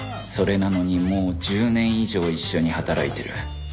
それなのにもう１０年以上一緒に働いている